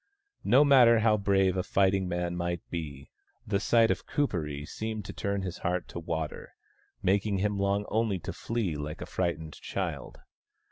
No matter how brave a fighting man might be, the sight of Kuperee seemed to turn his heart to water, making him long only to flee like a frightened child.